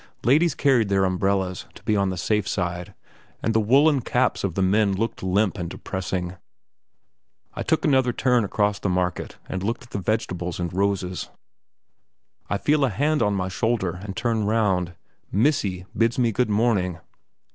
Ladies carried their umbrellas, to be on the safe side, and the woollen caps of the men looked limp and depressing. I took another turn across the market and looked at the vegetables and roses. I feel a hand on my shoulder and turn round "Missy" bids me good morning!